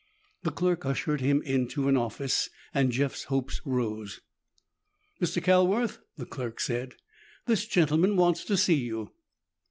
The clerk ushered him into an office and Jeff's hopes rose. "Mr. Calworth," the clerk said, "this gentleman wants to see you."